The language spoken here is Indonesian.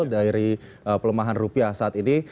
dari pelemahan rupiah saat ini